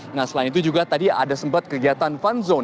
nah selain itu juga tadi ada sempat kegiatan fun zone